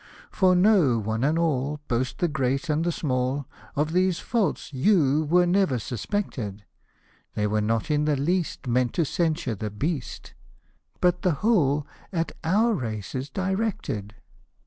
" For know, one and all, both the great and the small, Of these faults you were never suspected ; They are not in the least meant to censure the beast, But the whole at our race is directed.